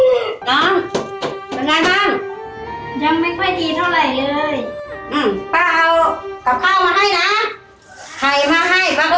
พี่นางมาแล้ว